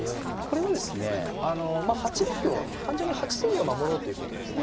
これはですね８六を単純に８筋を守ろうということですね。